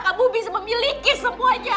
kamu bisa memiliki semuanya